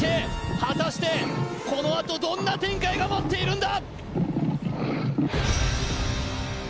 果たしてこのあとどんな展開が待っているんだ！？